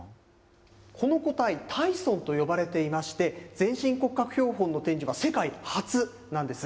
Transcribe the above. この個体、タイソンと呼ばれていまして、全身骨格標本の展示は世界初なんです。